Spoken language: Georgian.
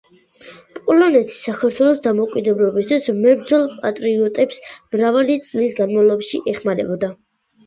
პოლონეთი საქართველოს დამოუკიდებლობისთვის მებრძოლ პატრიოტებს მრავალი წლის განმავლობაში ეხმარებოდა.